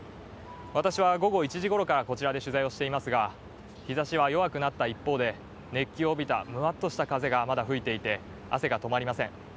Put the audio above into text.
私は午後１時ごろからこちらで取材をしていますが日ざしは弱くなった一方で熱気を帯びたムワッとした風がまだ吹いていて汗が止まりません。